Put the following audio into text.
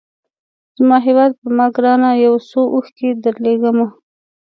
زما هیواده پر ما ګرانه یو څو اوښکي درلېږمه